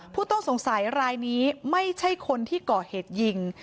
ผู้ต้องสงสัยรายนี้ไม่ใช่คนที่ก่อเหตุยิง